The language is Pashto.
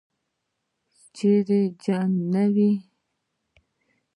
چیرې چې جنګ نه وي.